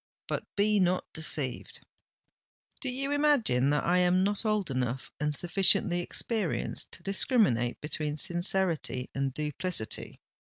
But be not deceived——" "Do you imagine that I am not old enough and sufficiently experienced to discriminate between sincerity and duplicity?"